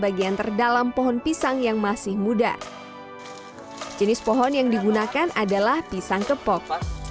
bagian terdalam pohon pisang yang masih muda jenis pohon yang digunakan adalah pisang kepok